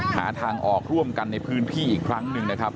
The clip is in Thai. หาทางออกร่วมกันในพื้นที่อีกครั้งหนึ่งนะครับ